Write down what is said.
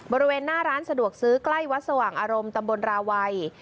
บริเวณหน้าร้านสะดวกซื้อใกล้วัดสว่างอารมณ์ตำบลราวัย